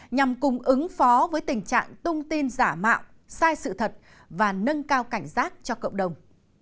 nhằm cùng ứng phó với tình trạng tung tin giả mạo sai sự thật và nâng cao cảnh giác cho cộng đồng